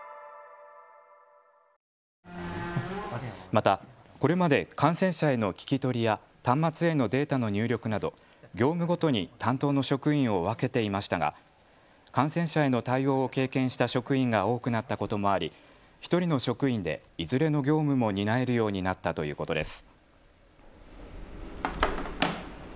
また、これまで感染者への聞き取りや端末へのデータの入力など業務ごとに担当の職員を分けていましたが感染者への対応を経験した職員が多くなったこともあり、１人の職員でいずれの業務も担えるようになったということです。